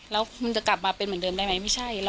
แล้วคุณจะกลับมาเป็นเหมือนเดิมได้ไหม